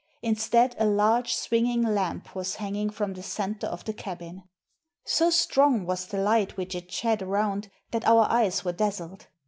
Instead, a large swinging lamp was hanging from the centre of the cabin. So strong was the light which it shed around that our eyes were dazzled.